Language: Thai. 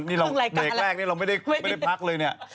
นี่เรียกแรกเรามันไม่ได้พักเลยเนี่ย